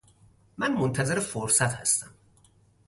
من منتظر فرصت هستم